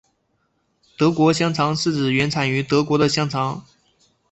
德国香肠是指原产于德国的香肠。